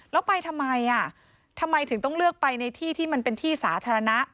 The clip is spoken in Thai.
แล้วไปทำไมอ่ะทำไมทำไมถึงต้องเลือกไปในที่ที่มันเป็นที่สาธารณะ